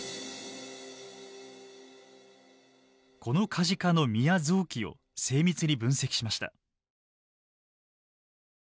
このカジカの身や臓器を精密に分析しました。